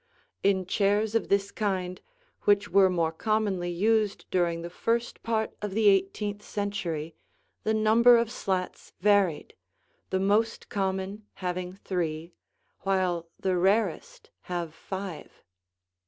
In chairs of this kind, which were more commonly used during the first part of the eighteenth century, the number of slats varied, the most common having three, while the rarest have five.